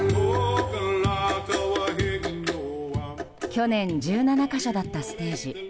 去年１７か所だったステージ。